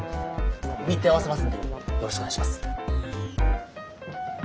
日程合わせますんでよろしくお願いします。